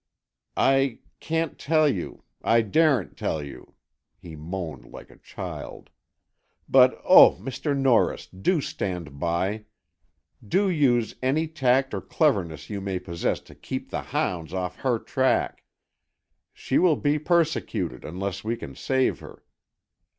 "I can't tell you——I daren't tell you," he moaned like a child. "But oh, Mr. Norris, do stand by! Do use any tact or cleverness you may possess to keep the hounds off her track! She will be persecuted, unless we can save her!"